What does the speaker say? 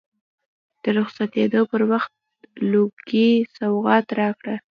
د رخصتېدو پر وخت لونګۍ سوغات راکړه.